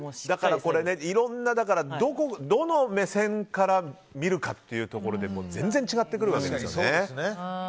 これはどの目線から見るかっていうところで全然違ってくるわけですよね。